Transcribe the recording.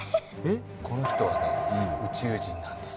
この人はね宇宙人なんです。